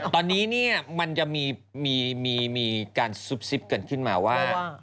ตอนนี้มันจะมีการซุบซิบกันขึ้นมาว่า